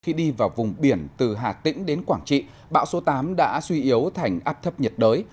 khi đi vào vùng biển từ hà tĩnh đến quảng trị bão số tám đã suy yếu thành áp thấp nhiệt đới